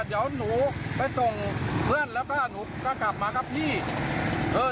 เดี๋ยวหนูไปส่งเพื่อนแล้วก็หนูก็กลับมาครับพี่เออ